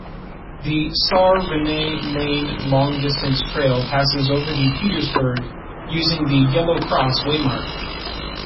The Saar-Rhine-Main long-distance trail passes over the Petersberg, using the “yellow cross” waymark.